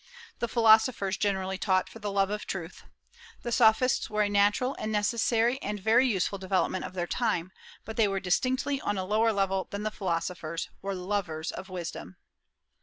The philosophers generally taught for the love of truth. The Sophists were a natural and necessary and very useful development of their time, but they were distinctly on a lower level than the Philosophers, or lovers of wisdom.